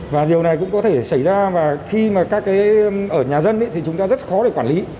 và điều này cũng có thể xảy ra và khi mà các cái ở nhà dân thì chúng ta rất khó để quản lý